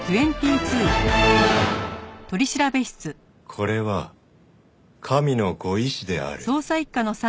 これは神のご意志である。